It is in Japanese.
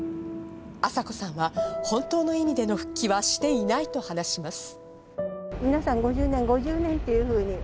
朝子さんは本当の意味での復帰はしていないと話します。